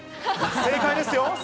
正解ですよ。